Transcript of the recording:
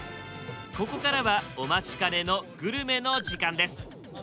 ここからはお待ちかねのグルメの時間です。